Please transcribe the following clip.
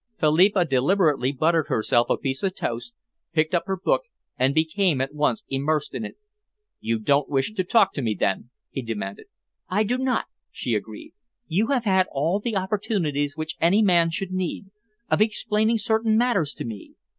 Philippa deliberately buttered herself a piece of toast, picked up her book, and became at once immersed in it. "You don't wish to talk to me, then?" he demanded. "I do not," she agreed. "You have had all the opportunities which any man should need, of explaining certain matters to me.